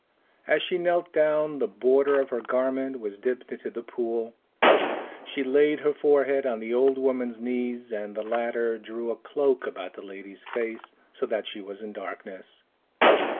As she knelt down, the border of her garment was dipped into the pool; she laid her forehead on the old woman's knees, and the latter drew a cloak about the lady's face, so that she was in darkness.